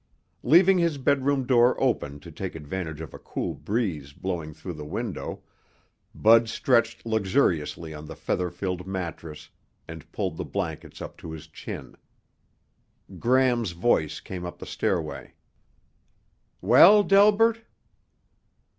Leaving his bedroom door open to take advantage of a cool breeze blowing through the window, Bud stretched luxuriously on the feather filled mattress and pulled the blankets up to his chin. Gram's voice came up the stairway. "Well, Delbert?"